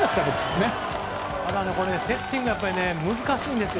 セッティングが難しいんですよ。